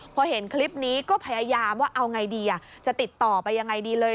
พอเห็นคลิปนี้ก็พยายามว่าเอาไงดีจะติดต่อไปยังไงดีเลย